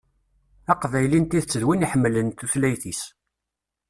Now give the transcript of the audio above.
Aqbayli n tidet d win iḥemmlen tutlayt-is.